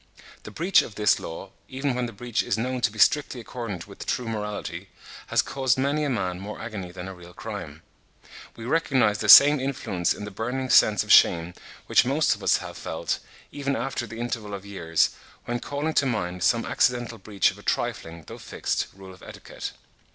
The breach of this law, even when the breach is known to be strictly accordant with true morality, has caused many a man more agony than a real crime. We recognise the same influence in the burning sense of shame which most of us have felt, even after the interval of years, when calling to mind some accidental breach of a trifling, though fixed, rule of etiquette.